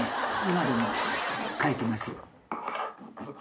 今でも書いてますよ。